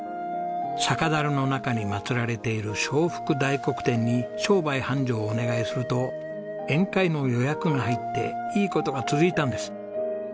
酒だるの中に祭られている招福大黒天に商売繁盛をお願いすると宴会の予約が入っていい事が続いたんです。